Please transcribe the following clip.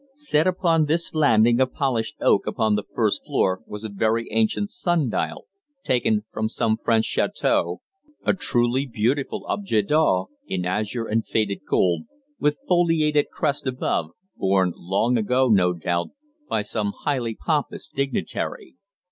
Set upon this landing of polished oak upon the first floor was a very ancient sundial, taken from some French château, a truly beautiful objet d'art in azure and faded gold, with foliated crest above, borne long ago, no doubt, by some highly pompous dignitary.